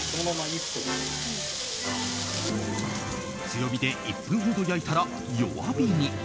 強火で１分ほど焼いたら弱火に。